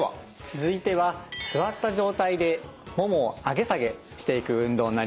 続いては座った状態でももを上げ下げしていく運動になります。